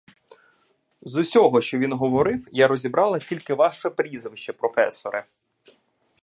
З усього, що він говорив, я розібрала тільки ваше прізвище, професоре.